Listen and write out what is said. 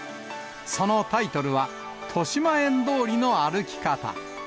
そのタイトルは、豊島園通りの歩き方。